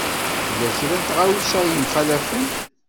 Tella kra n tɣawsa i yemxalafen.